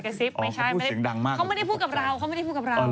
เขาไม่ได้พูดกับเรา